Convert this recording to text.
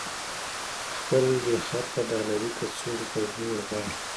د خپلو بې خرطه ډالري کڅوړو په زور غواړي.